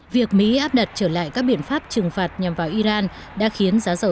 việc mỹ áp đặt trở lại các biện pháp trừng phạt nhằm vào iran đã khiến giá dầu